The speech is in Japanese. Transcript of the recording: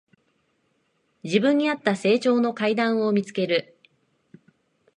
自分にあった成長の階段を見つける